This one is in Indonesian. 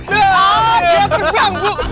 dia terbang bu